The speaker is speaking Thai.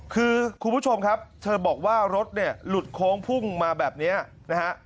คือคุณผู้ชมครับเธอบอกว่ารถเนี่ยหลุดโค้งพุ่งมาแบบนี้นะฮะ